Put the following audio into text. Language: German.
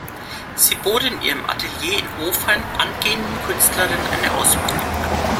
Sie bot in ihrem Atelier in Hofheim angehenden Künstlerinnen eine Ausbildung an.